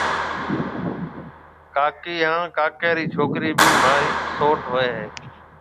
ڪاڪيَ هانَ ڪاڪِي رِي ڇوڪرِي ڀِي مهارِي سئوٽ هوئي هيَ